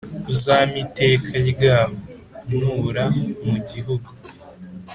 Uzampe iteka ry’aho ntura mu gihugu,